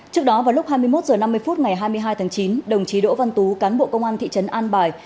trước đó vào lúc hai mươi một h năm mươi phút ngày hai mươi hai tháng chín đồng chí đỗ văn tú cán bộ công an thị trấn an bài